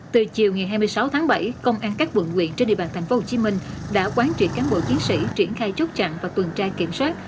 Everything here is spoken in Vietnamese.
từ chiều ngày hai mươi sáu tháng bảy công an các vượng nguyện trên địa bàn thành phố hồ chí minh đã quán trị cán bộ chiến sĩ triển khai chốt chặn và tuần trai kiểm soát